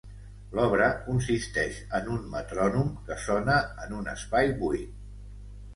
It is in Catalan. L'obra consisteix en un metrònom que sona en un espai buit.